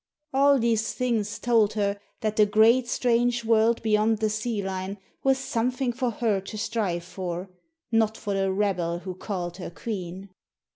All these things told her that the great, strange world beyond the sea line was something for her to strive for; not for the rabble who called her queen.